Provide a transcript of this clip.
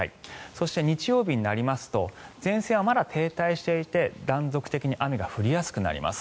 そして日曜日になりますと前線はまだ停滞していて断続的に雨が降りやすくなります。